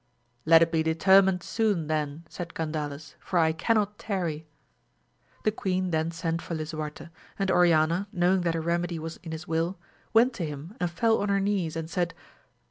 Let it be determined soon then, said Gandales, for I cannot tarry. The queen then sent for Lisuarte, and Oriana knowing that her remedy was in his wiU, went to him and fell on her knees and said.